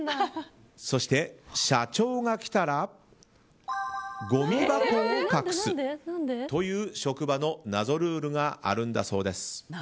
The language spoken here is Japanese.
そして、社長が来たらごみ箱を隠すという職場の謎ルールがあるんだそうです。